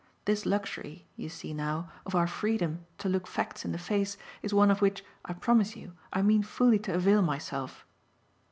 This luxury, you see now, of our freedom to look facts in the face is one of which, I promise you, I mean fully to avail myself."